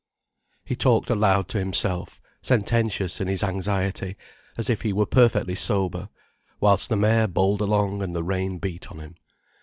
He talked aloud to himself, sententious in his anxiety, as if he were perfectly sober, whilst the mare bowled along and the rain beat on him.